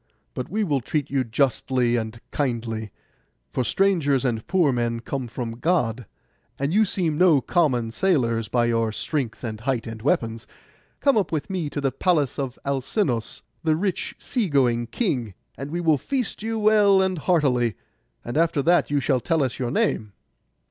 But we will treat you justly and kindly, for strangers and poor men come from God; and you seem no common sailors by your strength, and height, and weapons. Come up with me to the palace of Alcinous, the rich sea going king, and we will feast you well and heartily; and after that you shall tell us your name.